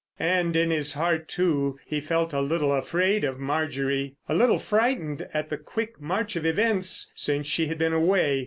And in his heart, too, he felt a little afraid of Marjorie. A little frightened at the quick march of events since she had been away.